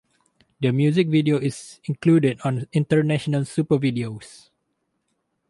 The music video is included on "International Supervideos!".